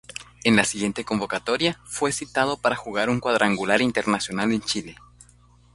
En la siguiente convocatoria, fue citado para jugar un cuadrangular internacional en Chile.